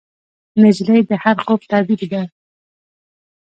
نجلۍ د هر خوب تعبیر ده.